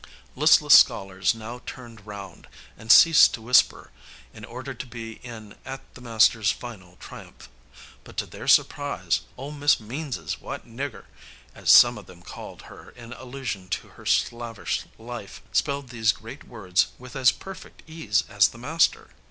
Listless scholars now turned round, and ceased to whisper, in order to be in at the master's final triumph. But to their surprise "ole Miss Meanses' white nigger," as some of them called her in allusion to her slavish life, spelled these great words with as perfect ease as the master.